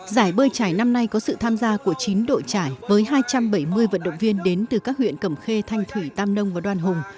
giải bơi trải năm nay có sự tham gia của chín đội trải với hai trăm bảy mươi vận động viên đến từ các huyện cẩm khê thanh thủy tam nông và đoàn hùng